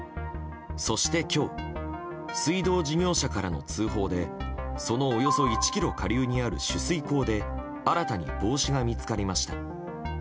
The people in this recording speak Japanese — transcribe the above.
そして、今日水道事業者からの通報でそのおよそ１ｋｍ下流にある取水口で新たに帽子が見つかりました。